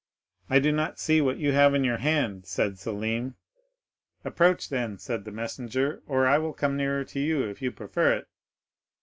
'I do not see what you have in your hand,' said Selim. 'Approach then,' said the messenger, 'or I will come nearer to you, if you prefer it.